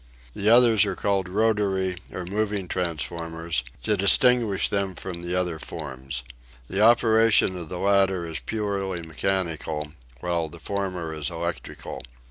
The others are called rotary, or moving transformers, to distinguish them from the other forms. The operation of the latter is purely mechanical, while the former is electrical.